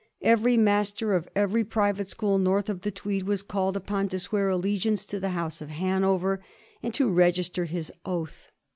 Every master of every private school north of the Tweed was called upon to swear allegiance to the House of Hanover, and to register his oath.